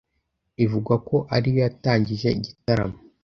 ivugwa ko ariyo yatangije igitaramo